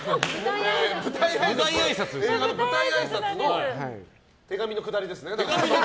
映画の舞台あいさつの手紙のくだりですね。